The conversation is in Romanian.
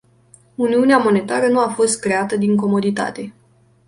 Uniunea monetară nu a fost creată din comoditate.